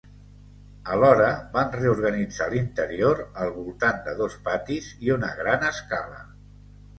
Alhora, van reorganitzar l'interior al voltant de dos patis i una gran escala.